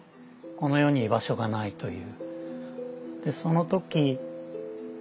この世に居場所がないという。